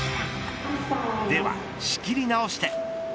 では、仕切り直して。